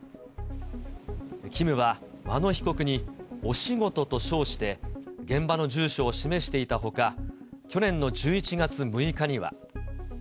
ＫＩＭは和野被告にお仕事と称して、現場の住所を示していたほか、去年の１１月６日には。